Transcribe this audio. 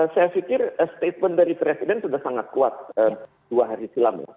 saya pikir statement dari presiden sudah sangat kuat dua hari silam ya